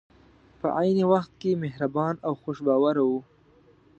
په عین وخت کې مهربان او خوش باوره وو.